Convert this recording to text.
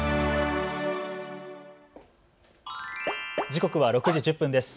時刻は６時１０分です。